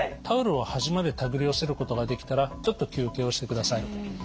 タオルを端までたぐり寄せることができたらちょっと休憩をしてください。